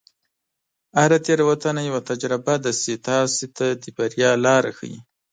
هره تیروتنه یوه تجربه ده چې تاسو ته د بریا لاره ښیي.